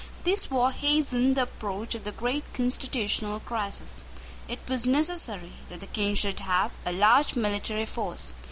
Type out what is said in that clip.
This war hastened the approach of the great constitutional crisis. It was necessary that the King should have a large military force.